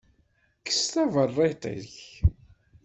Kkes taberriḍt-ik.